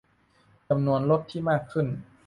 - จำนวนรถที่มากขึ้น